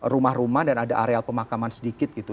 rumah rumah dan ada areal pemakaman sedikit gitu